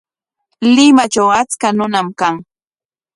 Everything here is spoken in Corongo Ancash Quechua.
Limatraw achka runam kan.